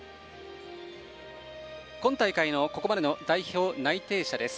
今大会のここまでの代表内定者です。